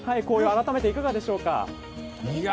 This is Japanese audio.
改めて、いかがでしょうか？